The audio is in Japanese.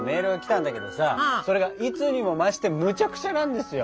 それがいつにも増してむちゃくちゃなんですよ。